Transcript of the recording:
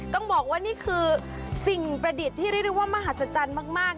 ต้องบอกว่านี่คือสิ่งประดิษฐ์ที่เรียกได้ว่ามหัศจรรย์มาก